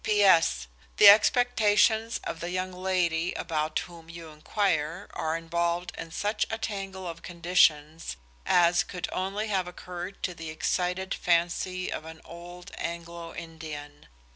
"P. S. The expectations of the young lady about whom you inquire are involved in such a tangle of conditions as could only have occurred to the excited fancy of an old Anglo Indian.